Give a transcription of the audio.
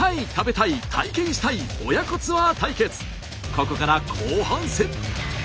ここから後半戦。